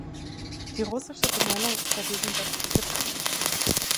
Die russische Benennung ist dagegen deskriptiv.